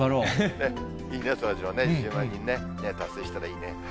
いいね、そらジロー、１０万人ね、達成したらいいね。